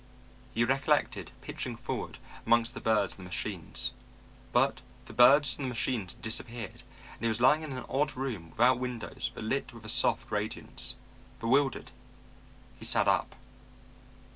He recollected pitching forward among the birds and the machines. But the birds and the machines had disappeared and he was lying in an odd room without windows but lit with a soft radiance. Bewildered, he sat up.